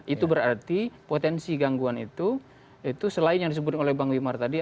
itu berarti potensi gangguan itu itu selain yang disebut oleh bang wimar tadi